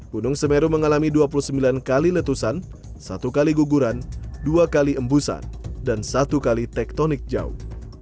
gunung semeru mengalami dua puluh sembilan kali letusan satu kali guguran dua kali embusan dan satu kali tektonik jauh